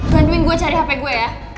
bantuin gue cari hp gue ya